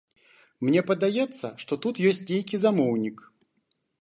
Мне падаецца, што тут ёсць нейкі замоўнік.